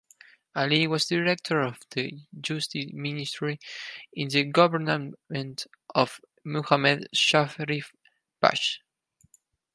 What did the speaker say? Ali was director of the Justice Ministry in the government of Muhammad Sharif Pasha.